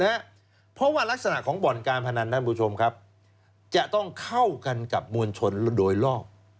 เพราะว่ารักษณะของบ่อนการพนันท่านผู้ชมครับจะต้องเข้ากันกับมวลชนโดยรอบ